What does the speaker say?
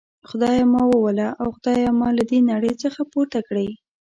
خدایه ما ووله او خدایه ما له دي نړۍ څخه پورته کړي.